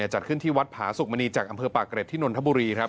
จัดขึ้นที่วัดผาสุกมณีจากอำเภอปากเกร็ดที่นนทบุรีครับ